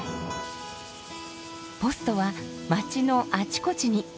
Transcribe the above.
ポストは街のあちこちに。